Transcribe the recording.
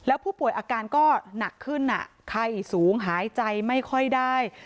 ผู้ป่วยอาการก็หนักขึ้นไข้สูงหายใจไม่ค่อยได้